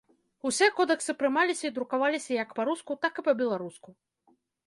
Усе кодэксы прымаліся і друкаваліся як па-руску, так і па-беларуску.